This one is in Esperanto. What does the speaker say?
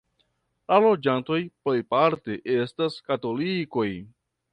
La loĝantoj plejparte estas katolikoj.